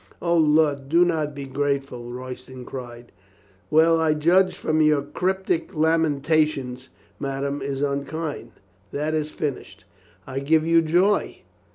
"O, lud, do not be grateful," Royston cried. "Well, I judge from your cryptic lamentations ma dame is unkind?" "That is finished." "I give you joy.